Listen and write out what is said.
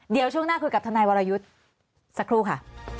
เดี๋ยวช่วงหน้าคุยกับทนายวรยุทธ์สักครู่ค่ะ